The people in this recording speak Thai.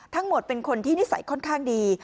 ทั้งหมดเป็นคนที่นิสัยค่อนข้างดี